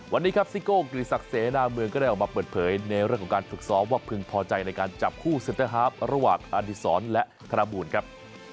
วันนี้ครับซิโก้กฤษักเสนาเมืองก็ได้ออกมาเปิดเผยในเรื่องของการฝึกซ้อมว่าพึงพอใจในการจับคู่เซ็นเตอร์ฮาร์ฟระหว่างอดีศรและธนบูรณ์ครับ